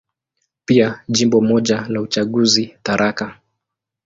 Pia Jimbo moja la uchaguzi, Tharaka.